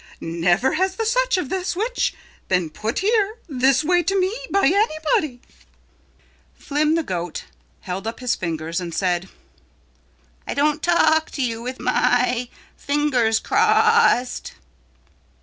"Never has the such of this which been put here this way to me by anybody." Flim the Goose held up his fingers and said, "I don't talk to you with my fingers crossed."